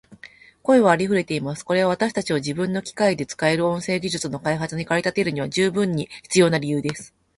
声はありふれています。これは私たちを自分の機械で使える音声技術の開発に駆り立てるには十分に必要な理由です。しかし、音声を用いたシステムを開発するには途方もない量の音声データが必要です。